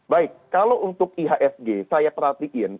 baik kalau untuk iasg saya perhatikan